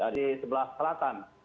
di sebelah selatan